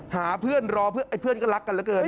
หาเพื่อนรอเพื่อนก็รักกันเหลือเกิน